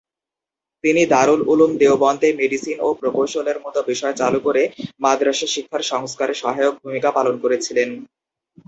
তিনি দারুল উলুম দেওবন্দে মেডিসিন ও প্রকৌশলের মতো বিষয় চালু করে "মাদ্রাসা" শিক্ষার সংস্কারে সহায়ক ভূমিকা পালন করেছিলেন।